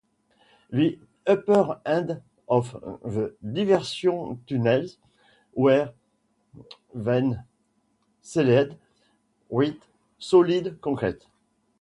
The upper ends of the diversion tunnels were then sealed with solid concrete.